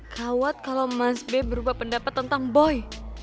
gawat kalo mas be berubah pendapat tentang boy